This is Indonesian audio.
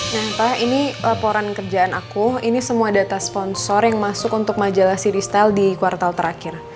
nah pak ini laporan kerjaan aku ini semua data sponsor yang masuk untuk majalah cristyle di kuartal terakhir